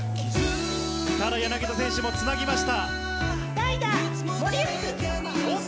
柳田選手もつなぎました。